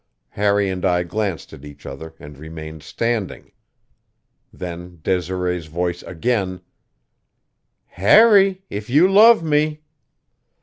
Harry and I glanced at each other and remained standing. Then Desiree's voice again: "Harry! If you love me!"